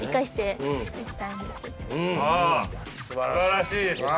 すばらしいですね。